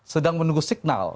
sedang menunggu signal